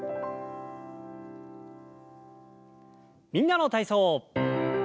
「みんなの体操」。